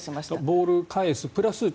ボールを返すプラス